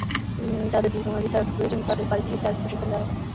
যাদের দীর্ঘমেয়াদি থেরাপি প্রয়োজন, তাদের বাড়িতে গিয়ে থেরাপি প্রশিক্ষণ দেওয়া হবে।